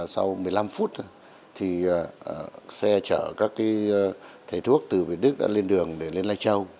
sau một mươi năm phút xe chở các thầy thuốc từ việt đức đã lên đường để lên lai châu